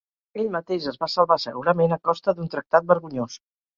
Ell mateix es va salvar segurament a costa d’un tractat vergonyós.